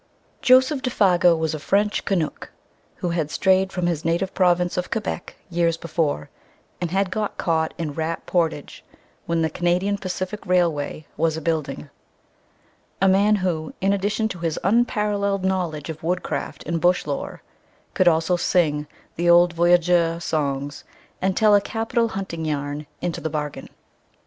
Joseph Défago was a French "Canuck," who had strayed from his native Province of Quebec years before, and had got caught in Rat Portage when the Canadian Pacific Railway was a building; a man who, in addition to his unparalleled knowledge of wood craft and bush lore, could also sing the old voyageur songs and tell a capital hunting yarn into the bargain.